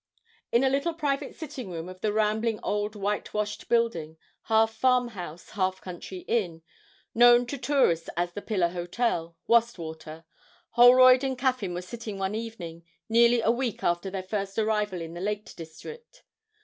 In a little private sitting room of the rambling old whitewashed building, half farmhouse, half country inn, known to tourists as the Pillar Hotel, Wastwater, Holroyd and Caffyn were sitting one evening, nearly a week after their first arrival in the Lake district.